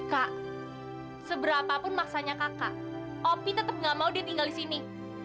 kak seberapapun maksanya kakak opi tetep ga mau dia tinggal disini